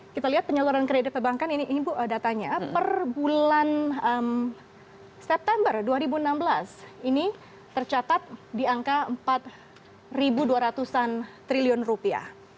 kita lihat penyaluran kredit perbankan ini bu datanya per bulan september dua ribu enam belas ini tercatat di angka empat dua ratus an triliun rupiah